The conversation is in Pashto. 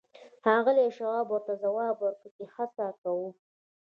ښاغلي شواب ورته ځواب ورکړ چې هڅه کوم